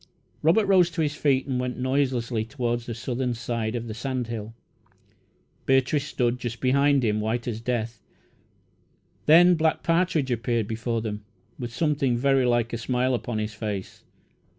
Robert rose to his feet and went noiselessly toward the southern side of the sand hill. Beatrice stood just behind him, white as death. Then Black Partridge appeared before them, with something very like a smile upon his face.